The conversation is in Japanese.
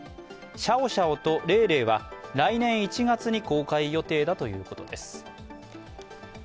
シャオシャオとレイレイは来年１月に公開予定だということです。